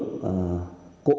đối tượng đối tượng